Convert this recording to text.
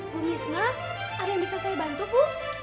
bu misna ada yang bisa saya bantu bu